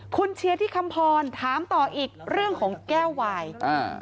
คุณเชียร์ที่คำพรถามต่ออีกเรื่องของแก้ววายอ่า